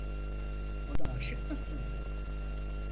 Ona âşık mısın?